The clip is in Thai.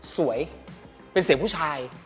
สวยเป็นเสียงผู้ชาย